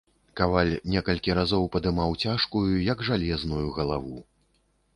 Каваль некалькі разоў падымаў цяжкую, як жалезную, галаву.